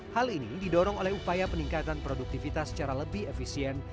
hal ini didorong oleh upaya peningkatan produktivitas secara lebih efisien